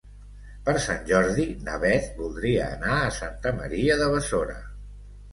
Per Sant Jordi na Beth voldria anar a Santa Maria de Besora.